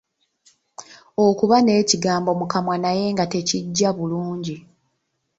Okuba n'ekigambo mu kamwa naye nga tekijja bulungi.